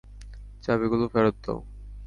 চাবিগুলো ফেরত দাও।